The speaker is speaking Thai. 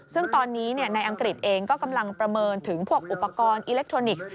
ซึ่งตอนนี้ในอังกฤษเองก็กำลังประเมินถึงพวกอุปกรณ์อิเล็กทรอนิกส์